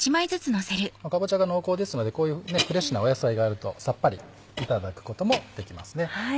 かぼちゃが濃厚ですのでこういうフレッシュな野菜があるとさっぱりいただくこともできますね。